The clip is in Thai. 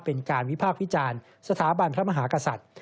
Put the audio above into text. เป็นการวิพากษ์วิจารณ์สถาบันพระมหากษัตริย์